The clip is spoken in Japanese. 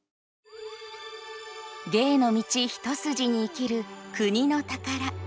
芸の道一筋に生きる国のたから。